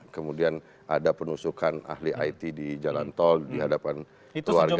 kemudian ada penusukan ahli it di jalan tol di hadapan keluarga